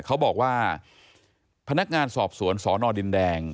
เขาบอกว่าพนักงานสอบสวนสนดินแดง